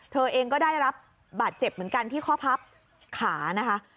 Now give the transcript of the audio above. เธอเองก็ได้รับบาดเจ็บเหมือนกันที่ข้อพับขานะคะ